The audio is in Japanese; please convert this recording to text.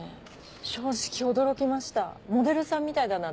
正直驚きましたモデルさんみたいだなって。